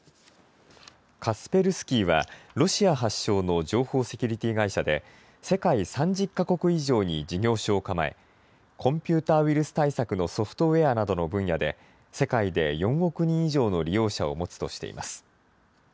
カスペルスキーは、ロシア発祥の情報セキュリティー会社で、世界３０か国以上に事業所を構え、コンピューターウイルス対策のソフトウエアなどの分野で、世界で４億人以上の利用者を持つとしています。